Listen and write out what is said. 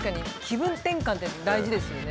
気分転換って大事ですよね。